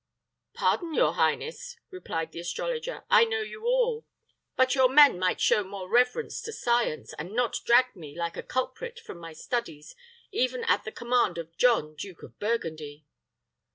"Pardon, your highness," replied the astrologer; "I know you all. But your men might show more reverence to science, and not drag me, like a culprit, from my studies, even at the command of John, duke of Burgundy."